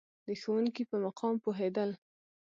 د ښوونکي په مقام پوهېدل.